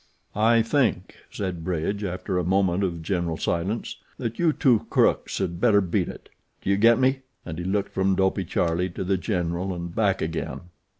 "I think," said Bridge, after a moment of general silence, "that you two crooks had better beat it. Do you get me?" and he looked from Dopey Charlie to The General and back again.